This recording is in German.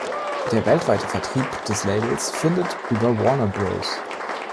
Der weltweite Vertrieb des Labels findet über Warner Bros.